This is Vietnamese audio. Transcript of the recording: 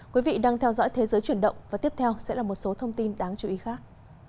quý vị đang theo dõi thế giới chuyển động và tiếp theo sẽ là một số thông tin đáng chú ý khác